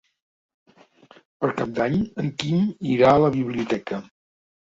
Per Cap d'Any en Quim irà a la biblioteca.